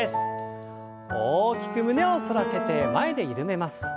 大きく胸を反らせて前で緩めます。